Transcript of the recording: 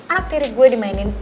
anak tiri gue dimainin